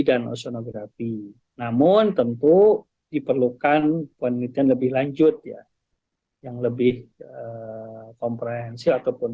dan ozonografi namun tentu diperlukan penelitian lebih lanjut ya yang lebih komprehensi ataupun